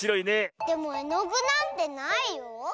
でもえのぐなんてないよ。